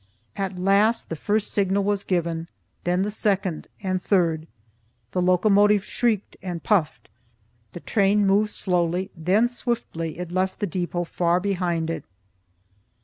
At last the first signal was given, then the second and third; the locomotive shrieked and puffed, the train moved slowly, then swiftly it left the depot far behind it.